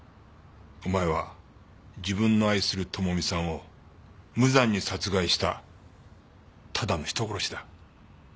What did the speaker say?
お前は自分の愛する智美さんを無残に殺害したただの人殺しだ。